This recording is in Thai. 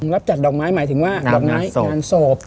รับจัดดอกไม้หมายถึงว่างานศพ